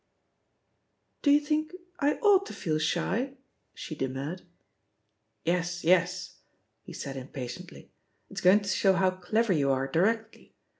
'Do you think I ought to feel 'shfV she d^nurred. "Yes, yes," he said impatiently; *'it*s going to show how clever you are directly.